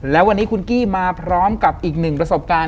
แล้ววันนี้คุณกี้มาพร้อมกับอีกหนึ่งประสบการณ์